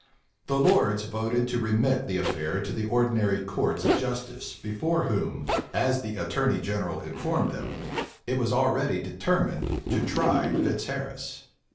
The lords voted to remit the affair to the ordinary courts of justice, before whom, as the attorney general informed them, it was already determined to try Fitzharris.